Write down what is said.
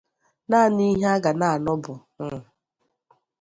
naanị ihe a ga na-anụ bụ 'mmn'